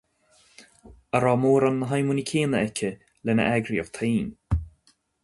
A raibh mórán na haidhmeanna céanna aici lena eagraíocht féin.